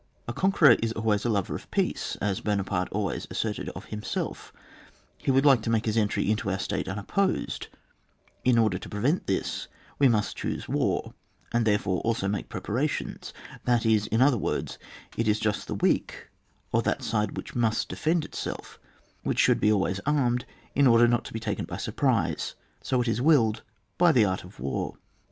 A conqueror is always a lover of peace (as Buonaparte always asserted of himself); he would like to make his entry into our state unopposed ; in order to prevent this, we must choose war, and therefore also make prepara tions, that is in other words, it is just the weak, or that side which must defend itself, which should be always armed in order not to be taken by surprise; so it is willed by the art of war.